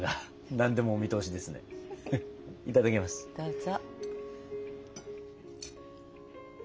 どうぞ。